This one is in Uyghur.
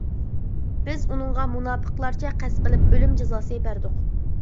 بىز ئۇنىڭغا مۇناپىقلارچە قەست قىلىپ، ئۆلۈم جازاسى بەردۇق.